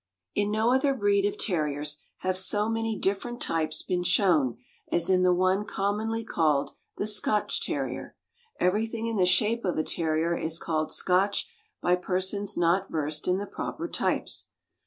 ffiN no other breed of Terriers have so many different types been shown as in the one commonly called the (11 Scotch Terrier. Everything in the shape of a Terrier is called Scotch by persons not versed in the proper types.